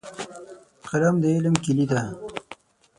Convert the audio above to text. قلم د علم کیلي ده.